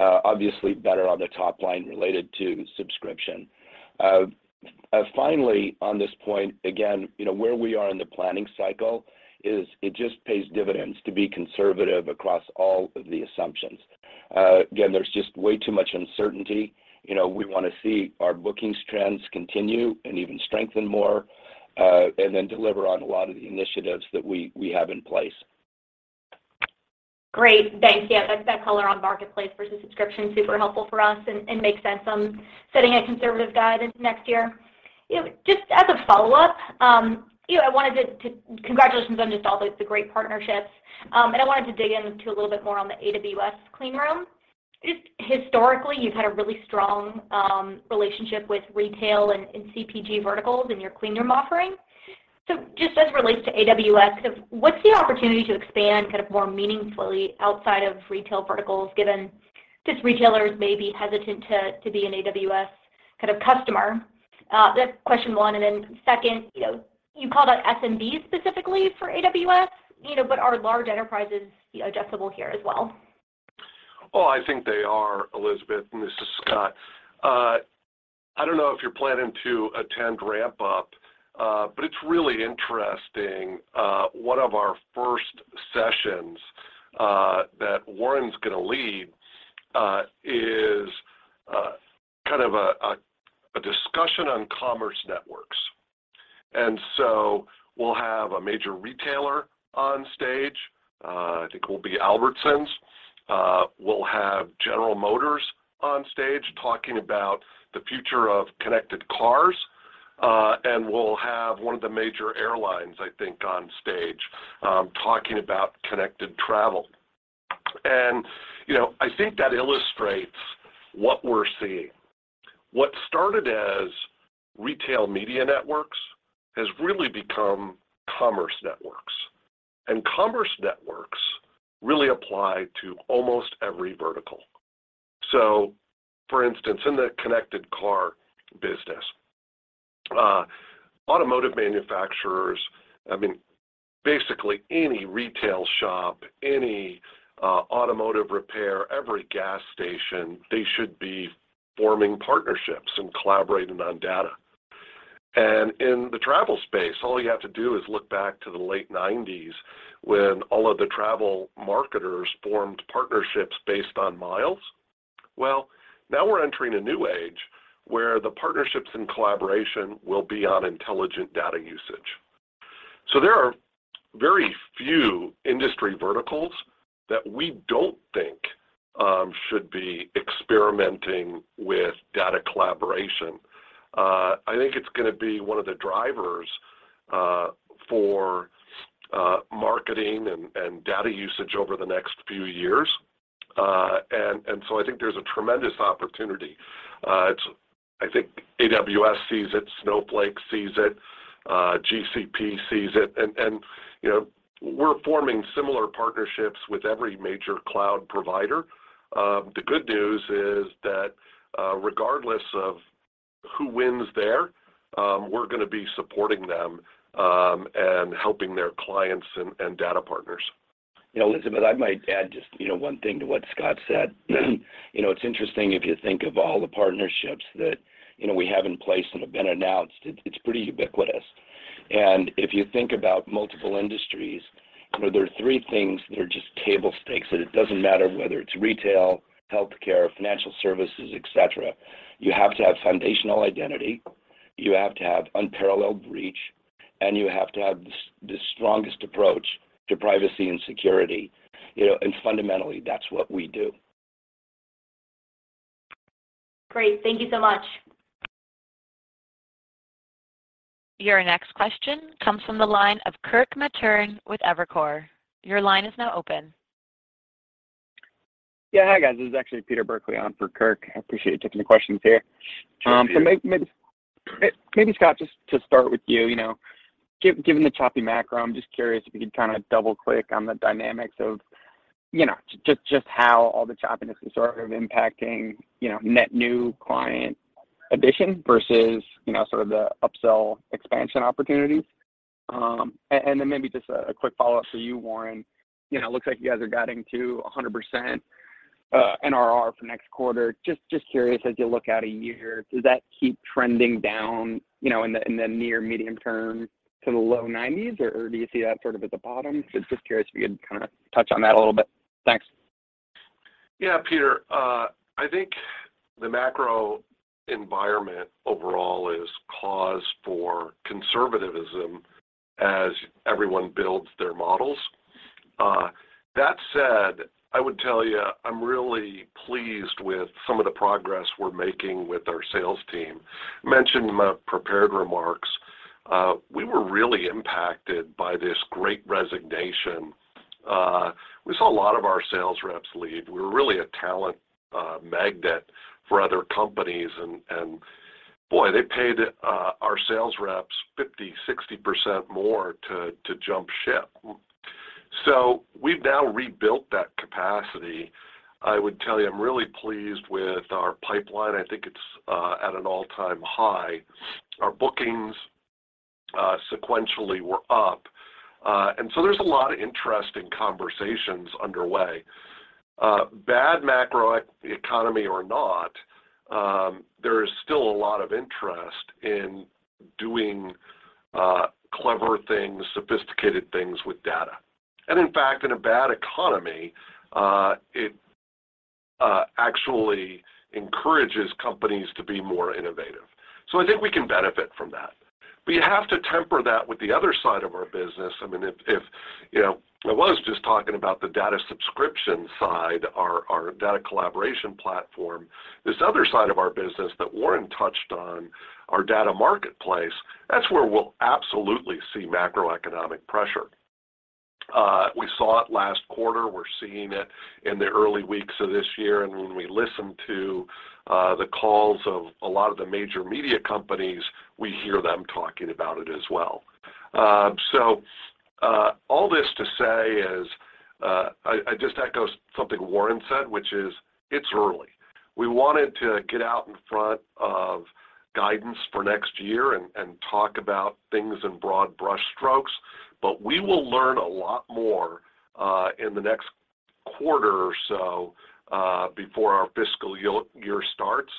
Obviously better on the top line related to subscription. Finally, on this point, again, you know, where we are in the planning cycle is it just pays dividends to be conservative across all of the assumptions. Again, there's just way too much uncertainty. You know, we want to see our bookings trends continue and even strengthen more, and then deliver on a lot of the initiatives that we have in place. Great. Thanks. Yeah, that color on marketplace versus subscription, super helpful for us and makes sense on setting a conservative guidance next year. You know, just as a follow-up, you know, I wanted to, congratulations on just all the great partnerships. I wanted to dig in to a little bit more on the AWS Clean Rooms. Just historically, you've had a really strong relationship with retail and CPG verticals in your clean room offering. Just as it relates to AWS, what's the opportunity to expand kind of more meaningfully outside of retail verticals, given just retailers may be hesitant to be an AWS kind of customer? That's question one. Second, you know, you called out SMBs specifically for AWS, you know, are large enterprises, you know, addressable here as well? I think they are, Elizabeth, this is Scott. I don't know if you're planning to attend RampUp, it's really interesting. One of our first sessions that Warren's gonna lead is kind of a discussion on commerce networks. We'll have a major retailer on stage, I think it will be Albertsons. We'll have General Motors on stage talking about the future of connected cars, we'll have one of the major airlines, I think, on stage talking about connected travel. You know, I think that illustrates what we're seeing. What started as retail media networks has really become commerce networks, commerce networks really apply to almost every vertical. For instance, in the connected car business, automotive manufacturers, I mean, basically any retail shop, any automotive repair, every gas station, they should be forming partnerships and collaborating on data. In the travel space, all you have to do is look back to the late nineties when all of the travel marketers formed partnerships based on miles. Well, now we're entering a new age where the partnerships and collaboration will be on intelligent data usage. There are very few industry verticals that we don't think should be experimenting with data collaboration. I think it's gonna be one of the drivers for marketing and data usage over the next few years. I think there's a tremendous opportunity. I think AWS sees it, Snowflake sees it, GCP sees it, you know, we're forming similar partnerships with every major cloud provider. The good news is that, regardless of who wins there, we're gonna be supporting them, and helping their clients and data partners. You know, Elizabeth, I might add just, you know, one thing to what Scott said. You know, it's interesting if you think of all the partnerships that, you know, we have in place that have been announced, it's pretty ubiquitous. If you think about multiple industries, you know, there are three things that are just table stakes, that it doesn't matter whether it's retail, healthcare, financial services, et cetera. You have to have foundational identity, you have to have unparalleled reach, and you have to have the strongest approach to privacy and security. You know, fundamentally, that's what we do. Great. Thank you so much. Your next question comes from the line of Kirk Materne with Evercore. Your line is now open. Yeah. Hi, guys. This is actually Peter Burkly on for Kirk. I appreciate you taking the questions today. Sure. Yeah. Maybe Scott, just to start with you know, given the choppy macro, I'm just curious if you could kind of double-click on the dynamics of, you know, just how all the choppiness is sort of impacting, you know, net new client addition versus, you know, sort of the upsell expansion opportunities. Then maybe just a quick follow-up for you, Warren. You know, it looks like you guys are guiding to 100% NRR for next quarter. Just curious, as you look out a year, does that keep trending down, you know, in the near medium term to the low 90s, or do you see that sort of at the bottom? Just curious if you could kind of touch on that a little bit. Thanks. Yeah, Peter. I think the macro environment overall is cause for conservativism as everyone builds their models. I would tell you I'm really pleased with some of the progress we're making with our sales team. Mentioned in my prepared remarks, we were really impacted by this great resignation. We saw a lot of our sales reps leave. We were really a talent magnet for other companies and boy, they paid our sales reps 50%, 60% more to jump ship. We've now rebuilt that capacity. I would tell you I'm really pleased with our pipeline. I think it's at an all-time high. Our bookings sequentially were up. There's a lot of interesting conversations underway. Bad economy or not, there is still a lot of interest in doing clever things, sophisticated things with data. In fact, in a bad economy, it actually encourages companies to be more innovative. I think we can benefit from that. We have to temper that with the other side of our business. I mean, if, you know. I was just talking about the data subscription side, our data collaboration platform. This other side of our business that Warren touched on, our Data Marketplace, that's where we'll absolutely see macroeconomic pressure. We saw it last quarter, we're seeing it in the early weeks of this year, and when we listen to the calls of a lot of the major media companies, we hear them talking about it as well. All this to say is I just echo something Warren said, which is it's early. We wanted to get out in front of guidance for next year and talk about things in broad brushstrokes. We will learn a lot more in the next quarter or so before our fiscal year starts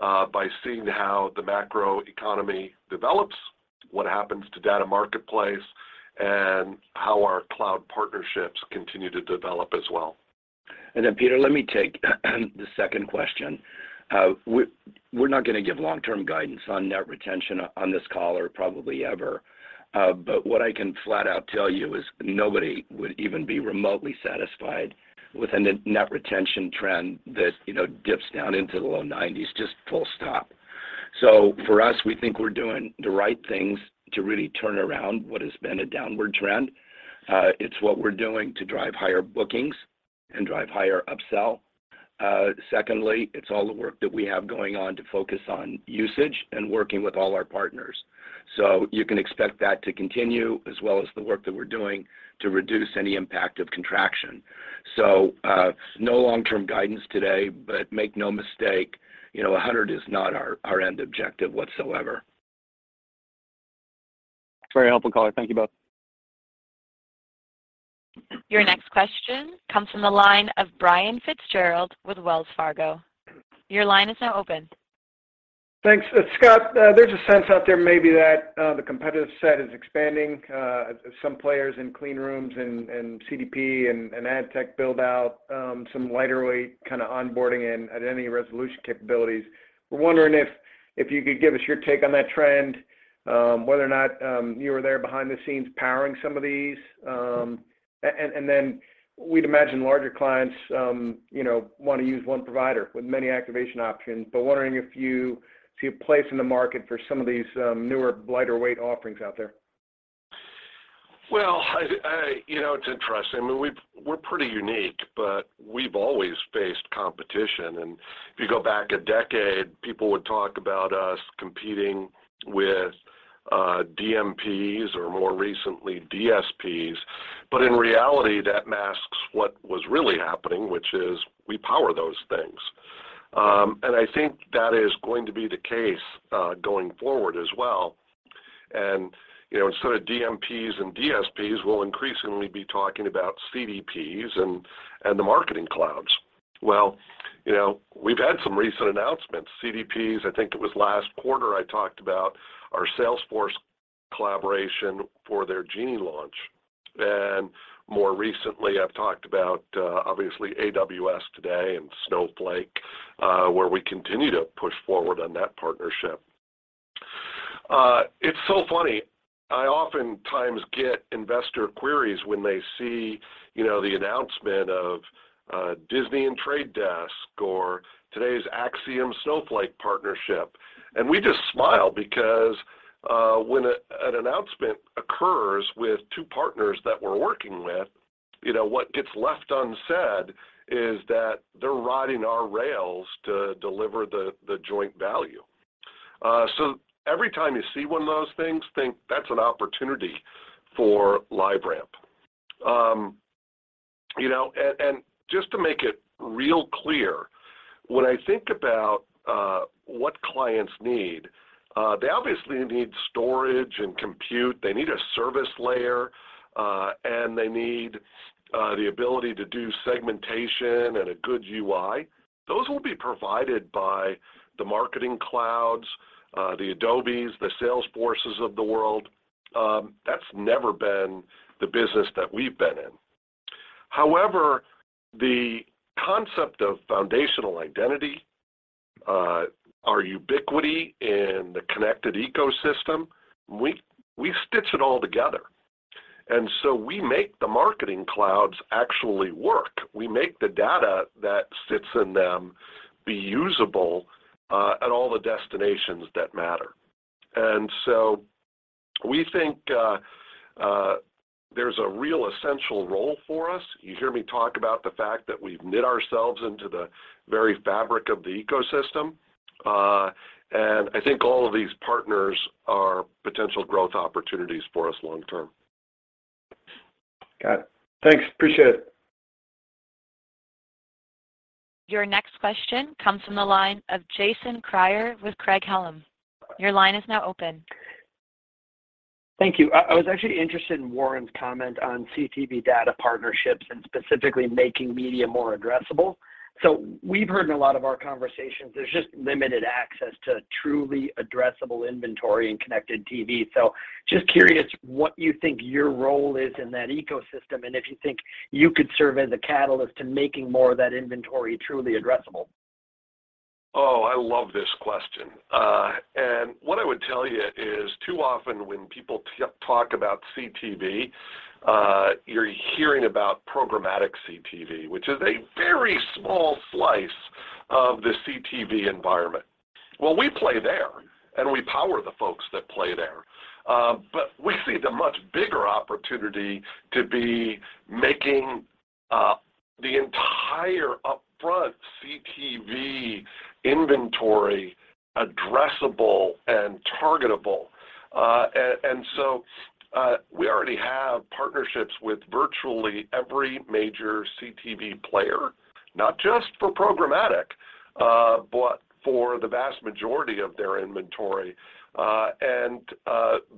by seeing how the macro economy develops, what happens to Data Marketplace, and how our cloud partnerships continue to develop as well. Peter, let me take the second question. We're not gonna give long-term guidance on net retention on this call or probably ever. What I can flat out tell you is nobody would even be remotely satisfied with a net retention trend that, you know, dips down into the low 90s, just full stop. For us, we think we're doing the right things to really turn around what has been a downward trend. It's what we're doing to drive higher bookings and drive higher upsell. Secondly, it's all the work that we have going on to focus on usage and working with all our partners. You can expect that to continue as well as the work that we're doing to reduce any impact of contraction. No long-term guidance today, but make no mistake, you know, 100 is not our end objective whatsoever. Very helpful, caller. Thank you both. Your next question comes from the line of Brian Fitzgerald with Wells Fargo. Your line is now open. Thanks. Scott, there's a sense out there maybe that the competitive set is expanding, some players in clean rooms and CDP and ad tech build out, some lighter weight kinda onboarding and identity resolution capabilities. We're wondering if you could give us your take on that trend, whether or not you were there behind the scenes powering some of these. Then we'd imagine larger clients, you know, want to use one provider with many activation options, but wondering if you see a place in the market for some of these, newer, lighter weight offerings out there. Well, you know, it's interesting. I mean, we're pretty unique, but we've always faced competition. If you go back a decade, people would talk about us competing with DMPs or more recently DSPs. In reality, that masks what was really happening, which is we power those things. I think that is going to be the case going forward as well. You know, instead of DMPs and DSPs, we'll increasingly be talking about CDPs and the marketing clouds. You know, we've had some recent announcements. CDPs, I think it was last quarter, I talked about our Salesforce collaboration for their Genie launch. More recently, I've talked about obviously AWS today and Snowflake, where we continue to push forward on that partnership. It's so funny, I oftentimes get investor queries when they see, you know, the announcement of Disney and Trade Desk or today's Acxiom-Snowflake partnership. We just smile because when an announcement occurs with two partners that we're working with, you know, what gets left unsaid is that they're riding our rails to deliver the joint value. Every time you see one of those things, think that's an opportunity for LiveRamp. You know, and just to make it real clear, when I think about what clients need, they obviously need storage and compute. They need a service layer, and they need the ability to do segmentation and a good UI. Those will be provided by the marketing clouds, the Adobes, the Salesforces of the world. That's never been the business that we've been in. However, the concept of foundational identity, our ubiquity in the connected ecosystem, we stitch it all together. We make the marketing clouds actually work. We make the data that sits in them be usable at all the destinations that matter. We think there's a real essential role for us. You hear me talk about the fact that we've knit ourselves into the very fabric of the ecosystem. I think all of these partners are potential growth opportunities for us long term. Got it. Thanks. Appreciate it. Your next question comes from the line of Jason Kreyer with Craig-Hallum. Your line is now open. Thank you. I was actually interested in Warren's comment on CTV data partnerships and specifically making media more addressable. We've heard in a lot of our conversations there's just limited access to truly addressable inventory in connected TV. Just curious what you think your role is in that ecosystem, and if you think you could serve as a catalyst to making more of that inventory truly addressable. Oh, I love this question. What I would tell you is too often when people talk about CTV, you're hearing about programmatic CTV, which is a very small slice of the CTV environment. Well, we play there, and we power the folks that play there. We see the much bigger opportunity to be making the entire upfront CTV inventory addressable and targetable. We already have partnerships with virtually every major CTV player, not just for programmatic, but for the vast majority of their inventory.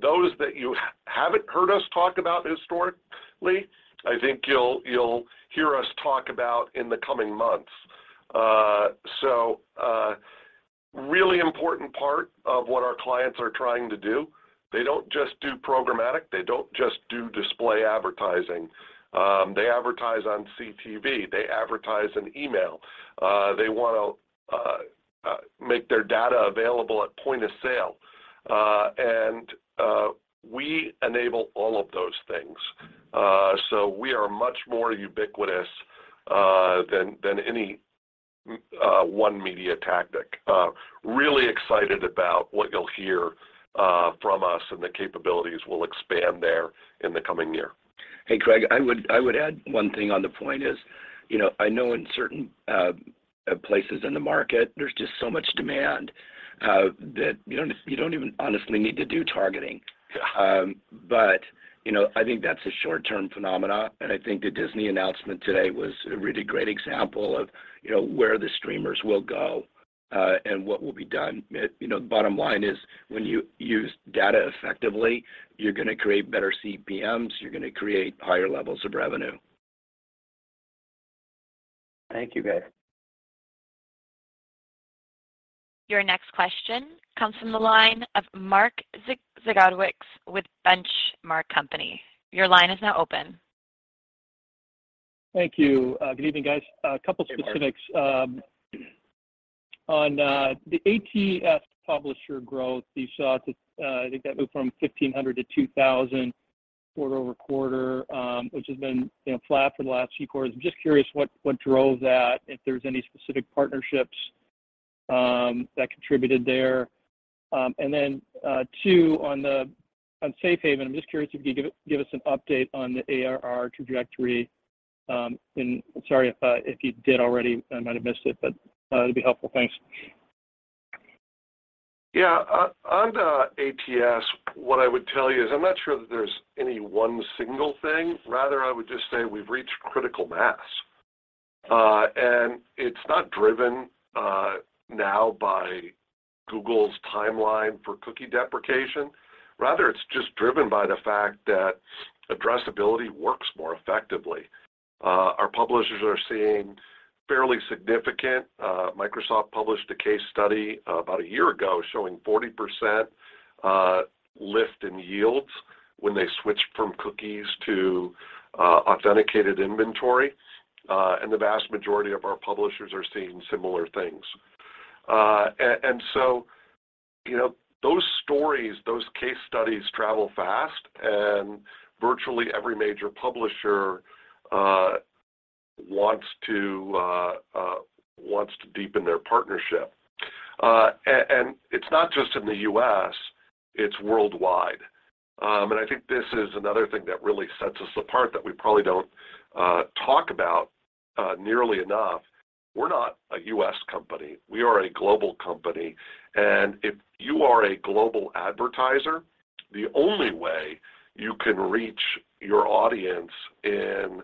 Those that you haven't heard us talk about historically, I think you'll hear us talk about in the coming months. Really important part of what our clients are trying to do. They don't just do programmatic. They don't just do display advertising. They advertise on CTV. They advertise in email. They wanna make their data available at point of sale. We enable all of those things. We are much more ubiquitous than any one media tactic. Really excited about what you'll hear from us, and the capabilities will expand there in the coming year. Hey, Craig, I would add one thing on the point is, you know, I know in certain places in the market, there's just so much demand that you don't even honestly need to do targeting. Yeah. You know, I think that's a short-term phenomena, and I think the Disney announcement today was a really great example of, you know, where the streamers will go, and what will be done. You know, the bottom line is when you use data effectively, you're gonna create better CPMs. You're gonna create higher levels of revenue. Thank you, guys. Your next question comes from the line of Mark Zgutowicz with Benchmark Company. Your line is now open. Thank you. Good evening, guys. A couple specifics. On the ATS publisher growth, you saw it at, I think that moved from 1,500 to 2,000 quarter-over-quarter, which has been, you know, flat for the last few quarters. I'm just curious what drove that, if there's any specific partnerships that contributed there. And then, two, on the Safe Haven, I'm just curious if you could give us an update on the ARR trajectory, in... Sorry if you did already. I might have missed it, but it'd be helpful. Thanks. Yeah. On the ATS, what I would tell you is I'm not sure that there's any one single thing. Rather, I would just say we've reached critical mass. It's not driven now by Google's timeline for cookie deprecation. Rather, it's just driven by the fact that addressability works more effectively. Our publishers are seeing fairly significant. Microsoft published a case study about a year ago showing 40% lift in yields when they switched from cookies to authenticated inventory. The vast majority of our publishers are seeing similar things. So, you know, those stories, those case studies travel fast, and virtually every major publisher wants to deepen their partnership. It's not just in the U.S., it's worldwide. I think this is another thing that really sets us apart that we probably don't talk about nearly enough. We're not a U.S. company. We are a global company. If you are a global advertiser, the only way you can reach your audience in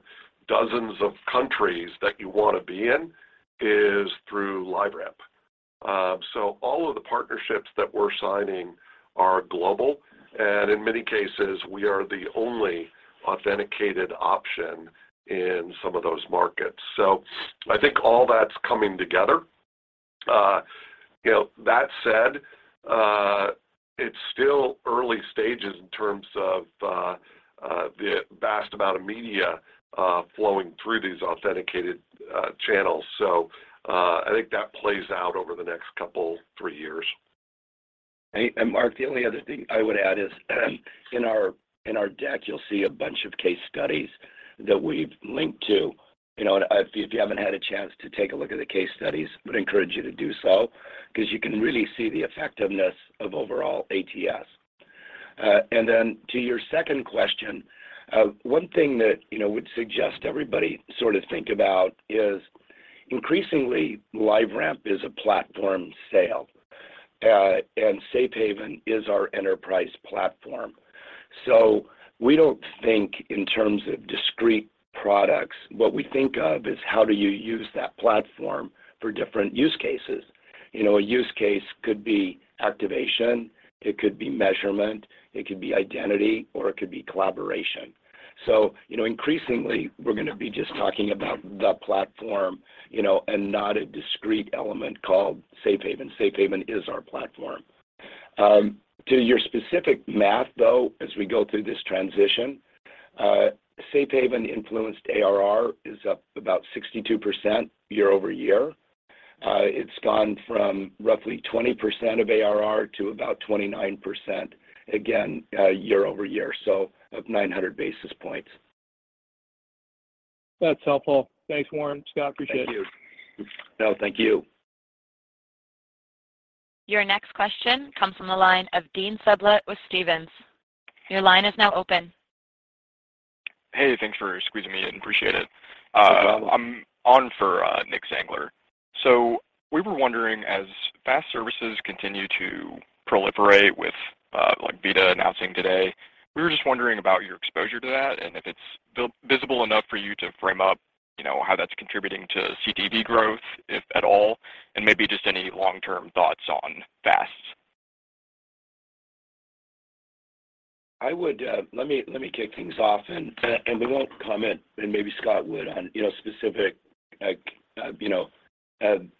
dozens of countries that you wanna be in is through LiveRamp. All of the partnerships that we're signing are global, and in many cases, we are the only authenticated option in some of those markets. I think all that's coming together. You know, that said, it's still early stages in terms of the vast amount of media flowing through these authenticated channels. I think that plays out over the next two, three years. Mark, the only other thing I would add is, in our deck, you'll see a bunch of case studies that we've linked to. You know, if you haven't had a chance to take a look at the case studies, I would encourage you to do so because you can really see the effectiveness of overall ATS. Then to your second question, one thing that, you know, would suggest everybody sort of think about is increasingly, LiveRamp is a platform sale, Safe Haven is our enterprise platform. We don't think in terms of discrete products. What we think of is how do you use that platform for different use cases. You know, a use case could be activation, it could be measurement, it could be identity, or it could be collaboration. You know, increasingly, we're gonna be just talking about the platform, you know, and not a discrete element called Safe Haven. Safe Haven is our platform. To your specific math, though, as we go through this transition, Safe Haven influenced ARR is up about 62% year-over-year. It's gone from roughly 20% of ARR to about 29%, again, year-over-year, so of 900 basis points. That's helpful. Thanks, Warren, Scott. Appreciate it. Thank you. No, thank you. Your next question comes from the line of Dean Sublett with Stephens. Your line is now open. Hey, thanks for squeezing me in. Appreciate it. No problem. I'm on for Nick Zangler. We were wondering, as FAST services continue to proliferate with, like, VIDAA announcing today, we were just wondering about your exposure to that and if it's visible enough for you to frame up, you know, how that's contributing to CTV growth, if at all, and maybe just any long-term thoughts on FAST. I would, let me kick things off and we won't comment, and maybe Scott would on, you know, specific, like, you know,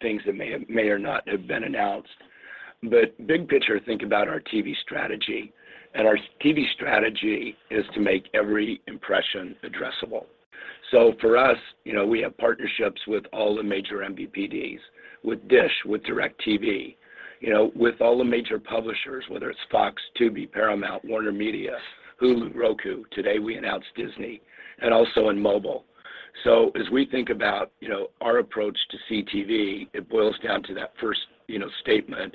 things that may or not have been announced. Big picture, think about our TV strategy. Our TV strategy is to make every impression addressable. For us, you know, we have partnerships with all the major MVPDs, with DISH, with DIRECTV, you know, with all the major publishers, whether it's FOX, Tubi, Paramount, WarnerMedia, Hulu, Roku. Today, we announced Disney, and also in mobile. As we think about, you know, our approach to CTV, it boils down to that first, you know, statement.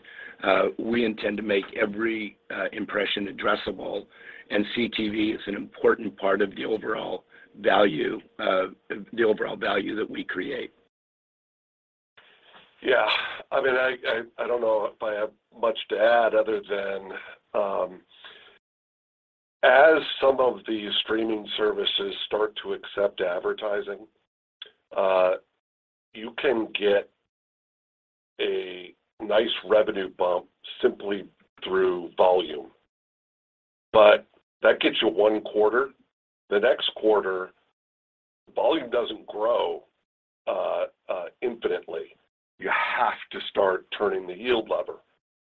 We intend to make every impression addressable, and CTV is an important part of the overall value, the overall value that we create. Yeah. I mean, I don't know if I have much to add other than, as some of these streaming services start to accept advertising, you can get a nice revenue bump simply through volume. That gets you 1 quarter. The next quarter, volume doesn't grow infinitely. You have to start turning the yield lever,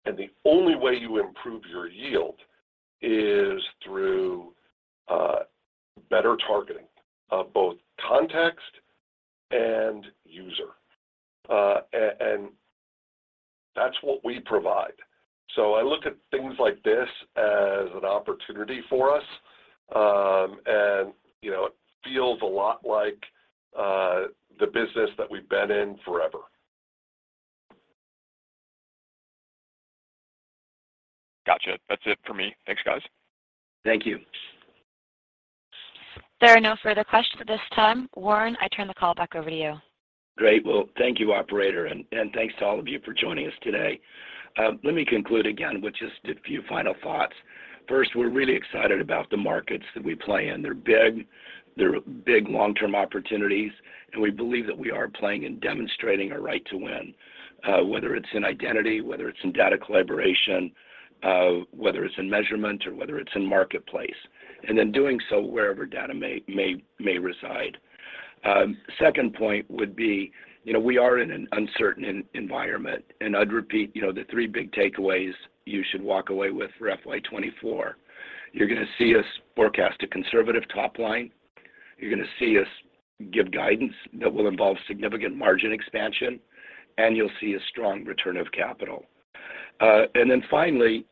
and the only way you improve your yield is through better targeting of both context and user. That's what we provide. I look at things like this as an opportunity for us. You know, it feels a lot like the business that we've been in forever. Gotcha. That's it for me. Thanks, guys. Thank you. There are no further questions at this time. Warren, I turn the call back over to you. Great. Well, thank you, operator, and thanks to all of you for joining us today. Let me conclude again with just a few final thoughts. First, we're really excited about the markets that we play in. They're big. They're big long-term opportunities, and we believe that we are playing and demonstrating a right to win, whether it's in identity, whether it's in data collaboration, whether it's in measurement or whether it's in marketplace. In doing so, wherever data may reside. Second point would be, you know, we are in an uncertain environment, and I'd repeat, you know, the three big takeaways you should walk away with for FY 2024. You're gonna see us forecast a conservative top line, you're gonna see us give guidance that will involve significant margin expansion, and you'll see a strong return of capital. Finally,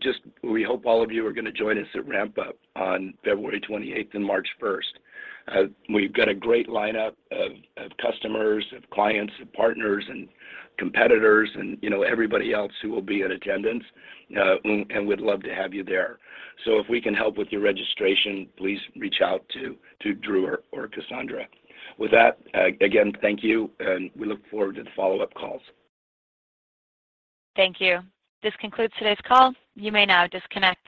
just we hope all of you are gonna join us at RampUp on February 28th and March 1st. We've got a great lineup of customers, of clients, of partners and competitors and, you know, everybody else who will be in attendance, and we'd love to have you there. If we can help with your registration, please reach out to Drew or Cassandra. With that, again, thank you, and we look forward to the follow-up calls. Thank you. This concludes today's call. You may now disconnect.